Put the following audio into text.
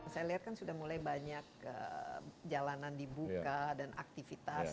saya lihat kan sudah mulai banyak jalanan dibuka dan aktivitas